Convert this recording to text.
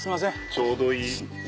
ちょうどいい。